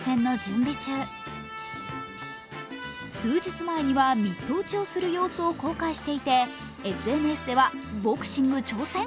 数日前には、ミット打ちをする様子を公開していて、ＳＮＳでは、ボクシング挑戦？